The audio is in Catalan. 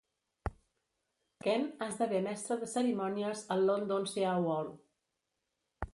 Ken esdevé mestre de cerimònies al London Sea World.